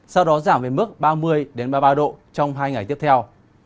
sau đó giảm về mức ba mươi ba mươi ba độ trong hai ngày tiếp theo